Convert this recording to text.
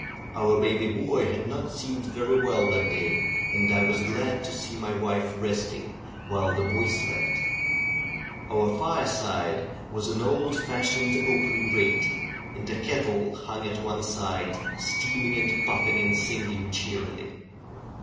Our baby boy had not seemed very well that day and I was glad to see my wife resting while the boy slept. Our fireplace was an old fashioned open grate, and a kettle hung at one side steaming and puffing and singing cheerily.